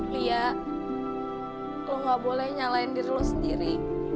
lia lo gak boleh nyalain diri lo sendiri